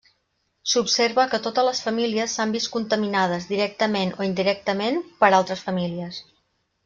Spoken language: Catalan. S'observa que totes les famílies s'han vist contaminades, directament o indirectament, per altres famílies.